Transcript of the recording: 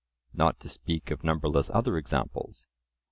(not to speak of numberless other examples).